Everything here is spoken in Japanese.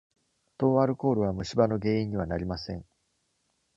糖アルコールは虫歯の原因にはなりません。